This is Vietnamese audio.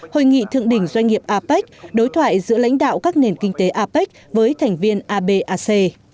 hội nghị thượng đỉnh doanh nghiệp apec đối thoại giữa lãnh đạo các nền kinh tế apec với thành viên abac